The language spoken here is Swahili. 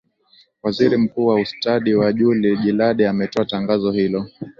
waziri mkuu wa ustadi wa juli jilade ametoa tangazo hilo